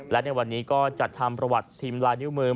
และในวันนี้ก็จัดทำประวัติพิมพ์ลายนิ้วมือ